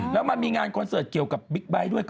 แล้วมันมีงานคอนเสิร์ตเกี่ยวกับบิ๊กไบท์ด้วย